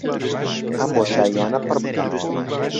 ئەم بۆشایییانە پڕ بکەنەوە